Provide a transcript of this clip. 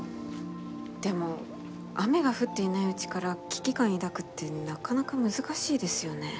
でも雨が降っていないうちから危機感抱くってなかなか難しいですよね。